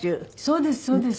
そうですそうです。